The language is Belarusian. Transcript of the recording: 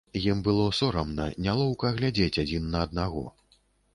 Ім было сорамна, нялоўка глядзець адзін на аднаго.